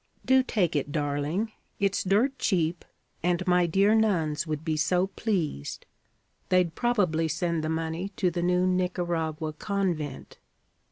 Do take it, darling. It's dirt cheap, and my dear nuns would be so pleased. They'd probably send the money to the new Nicaragua convent.'